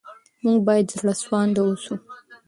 موږ باید زړه سوانده اوسو.